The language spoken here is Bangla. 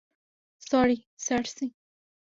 স্যরি, সার্সি।